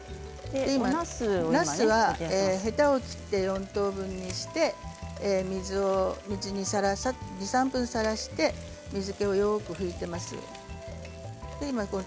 なすはヘタを切って４等分にして水にさらして２、３分さらして水けをよく切っています。